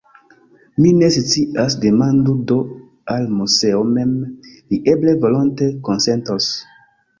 Mi ne scias; demandu do al Moseo mem, li eble volonte konsentos.